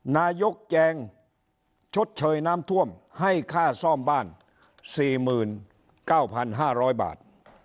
นายกแจงชดเชยน้ำท่วมให้ค่าซ่อมบ้าน๔๙๕๐๐บาท